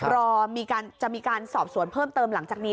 รอจะมีการสอบสวนเพิ่มเติมหลังจากนี้